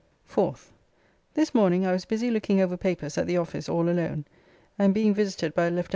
4th. This morning I was busy looking over papers at the office all alone, and being visited by Lieut.